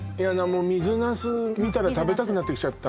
もう水なす見たら水なす食べたくなってきちゃった